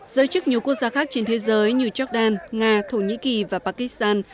giới chức nhiều quốc gia khác trên thế giới như jordan nga thổ nhĩ kỳ và pakistan